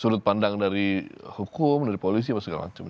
sudut pandang dari hukum dari polisi apa segala macam